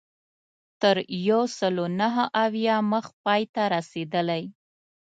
تر یو سلو نهه اویا مخ پای ته رسېدلې.